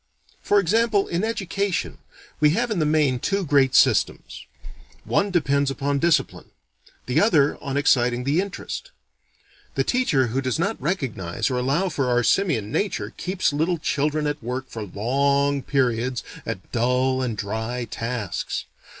For example, in education, we have in the main two great systems. One depends upon discipline. The other on exciting the interest. The teacher who does not recognize or allow for our simian nature, keeps little children at work for long periods at dull and dry tasks.